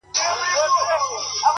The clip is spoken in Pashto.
• چي ته بېلېږې له مست سوره څخه،